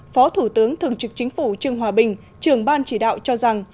phó thủ tướng thường trực chính phủ trương hòa bình trưởng ban chỉ đạo cho rằng